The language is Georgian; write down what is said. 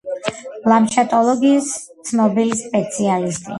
ლანდშაფტოლოგიის ცნობილი სპეციალისტი.